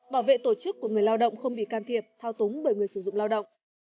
bảo vệ tổ chức của người lao động không bị can thiệp thao túng bởi người sử dụng lao động